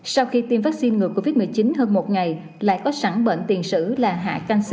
sau khi tiêm vaccine ngừa covid một mươi chín hơn một ngày lại có sẵn bệnh tiền sử là hạ canxi